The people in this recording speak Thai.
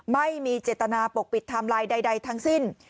ไม่มีเจตนาปกปิดไทม์ไลน์ใดทั้งสิ้น